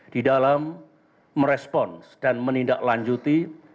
di dalam merespons dan menindaklanjuti